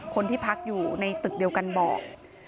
คนที่พักอยู่ในตึกเดียวกันบอก